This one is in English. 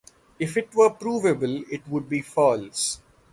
If it were provable, it would be false.